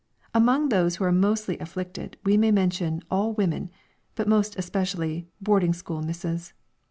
Among those who are mostly afflicted, we may mention all women, but most especially boarding school misses.